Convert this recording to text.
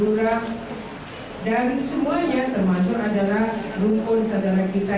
rumpun mataraman rumpun madura dan semuanya termasuk adalah rumpun saudara kita